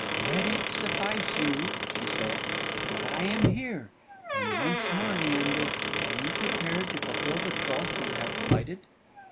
"Let it suffice you," she said, "that I am here; and once more, Leander, are you prepared to fulfil the troth you have plighted?"